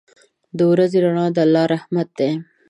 • د ورځې رڼا د الله رحمت دی.